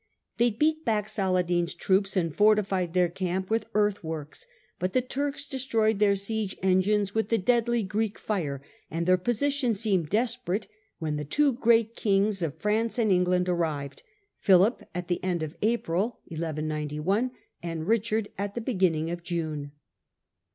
They beat back Salad in's troops and fortified their camp with earth works, but the Turks destroyed their siege engines with the deadly Greek fire," and their position seemed desperate when the two great kings of France and England arrived — Philip at the end of April 1191, Eichard at the beginning of June.